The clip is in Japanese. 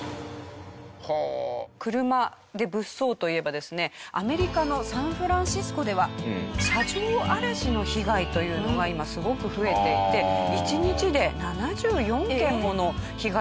車で物騒といえばですねアメリカのサンフランシスコでは車上荒らしの被害というのが今すごく増えていて１日で７４件もの被害報告があるそうなんです。